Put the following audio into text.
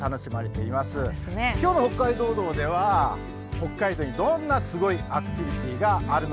今日の「北海道道」では北海道にどんなすごいアクティビティーがあるのか。